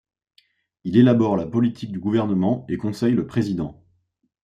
Il élabore la politique du gouvernement et conseille le Président.